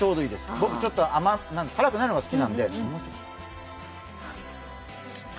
僕、ちょっと辛くないのが好きなんで。